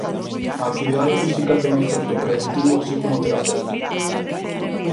A actividade física ten efecto preventivo así como terapéutico.